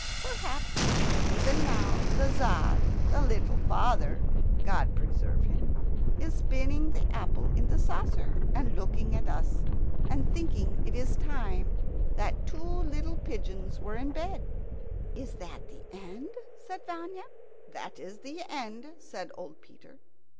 Perhaps even now the Tzar, the little father God preserve him! is spinning the apple in the saucer, and looking at us, and thinking it is time that two little pigeons were in bed. "Is that the end?" said Vanya. "That is the end," said old Peter.